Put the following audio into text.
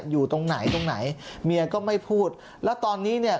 อยู่ตรงไหนตรงไหนเมียก็ไม่พูดแล้วตอนนี้เนี่ย